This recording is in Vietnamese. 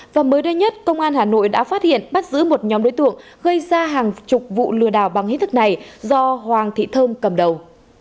và mới đây nhất công an hà nội đã phát hiện bắt giữ một nhóm đối tượng gây ra hàng chục vụ lừa đảo bằng hít này do hoàng thị thơm cầm đầu